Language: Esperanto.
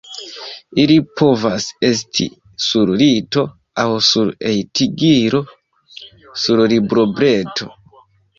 Ili povas esti sur lito aŭ sur hejtigilo, sur librobreto.